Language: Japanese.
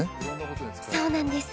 そうなんです。